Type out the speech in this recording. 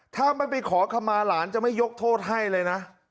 ถ้าไม่ไปขอคำมาหลานจะไม่ยกโทษให้เลยนะ